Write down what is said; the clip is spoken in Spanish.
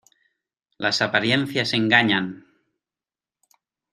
Las apariencias engañan.